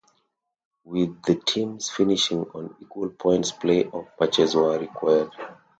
With the teams finishing on equal points play off matches were required.